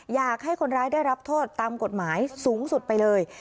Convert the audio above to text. อยากให้คนร้ายได้รับโทษตามกฎหมายสูงสุดไปเลย